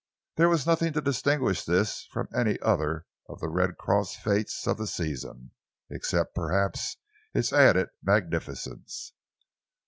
There was nothing to distinguish this from any other of the Red Cross fêtes of the season, except, perhaps, its added magnificence.